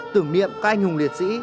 tưởng niệm các anh hùng liệt sĩ